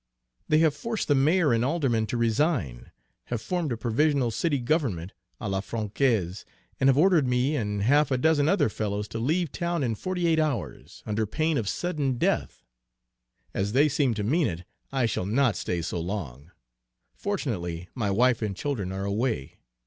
They have forced the mayor and aldermen to resign, have formed a provisional city government à la Française, and have ordered me and half a dozen other fellows to leave town in forty eight hours, under pain of sudden death. As they seem to mean it, I shall not stay so long. Fortunately, my wife and children are away.